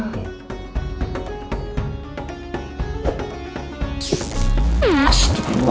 tidak ada suaranya